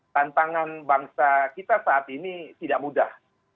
tantangan bangsa kita saat ini tidak mudah